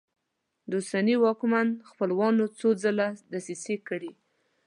د اوسني واکمن خپلوانو څو ځله دسیسې کړي.